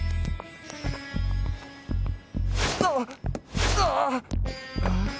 あっ！あっ！